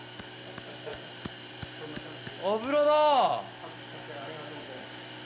油だ。